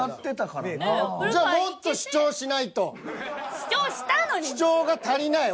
主張したのに！